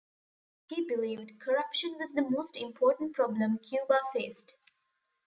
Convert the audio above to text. He believed corruption was the most important problem Cuba faced.